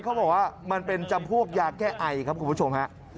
เขาบอกว่ามันเป็นจำพวกยาแก้ไอครับคุณผู้ชมฮะ